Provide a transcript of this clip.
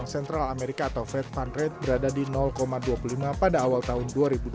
bank sentral amerika atau fed fund rate berada di dua puluh lima pada awal tahun dua ribu dua puluh